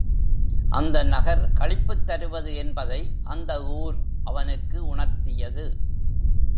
அந்த நகர் களிப்புத்தருவது என்பதை அந்த ஊர் அவனுக்கு உணர்த்தியது.